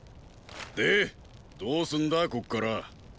でどうすんだこっから。